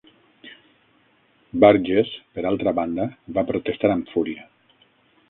Burgess, per altra banda, va protestar amb fúria.